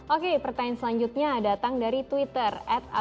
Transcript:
oke pertanyaan selanjutnya datang dari twitter